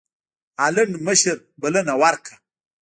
هالنډ مشر بلنه ورکړه.